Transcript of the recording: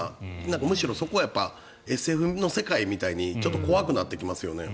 むしろそこはＳＦの世界みたいに怖くなってきますね。